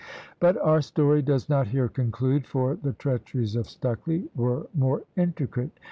But our story does not here conclude, for the treacheries of Stucley were more intricate.